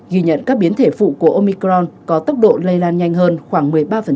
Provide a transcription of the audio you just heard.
ghi nhận các biến thể phụ của omicron có tốc độ lây lan nhanh hơn khoảng một mươi ba